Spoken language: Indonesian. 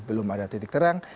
belum ada titik terang